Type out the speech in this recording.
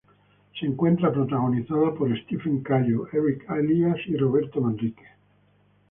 Se encuentra protagonizada por Stephanie Cayo, Erick Elías y Roberto Manrique.